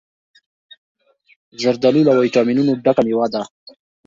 زردالو له ویټامینونو ډکه مېوه ده.